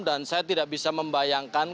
dan saya tidak bisa membayangkan